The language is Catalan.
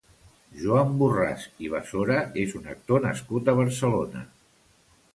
Joan Borràs i Basora és un actor nascut a Barcelona.